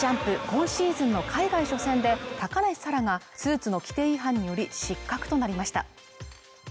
今シーズンの海外初戦で高梨沙羅がスーツの規定違反により失格となりました